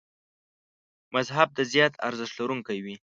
مذهب د زیات ارزښت لرونکي و.